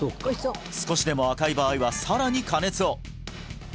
少しでも赤い場合はさらに加熱を！